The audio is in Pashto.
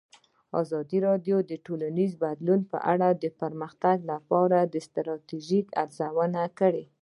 ازادي راډیو د ټولنیز بدلون په اړه د پرمختګ لپاره د ستراتیژۍ ارزونه کړې.